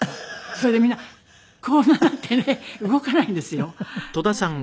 それでみんなこんななってね動かないんですよ。